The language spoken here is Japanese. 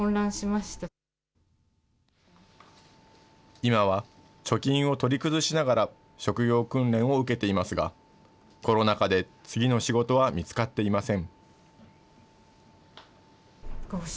今は貯金を取り崩しながら、職業訓練を受けていますが、コロナ禍で次の仕事は見つかっていません。